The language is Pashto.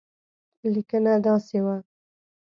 لیکنه داسې وه.